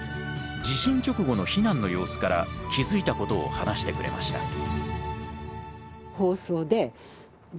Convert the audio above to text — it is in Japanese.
地震直後の避難の様子から気付いたことを話してくれました。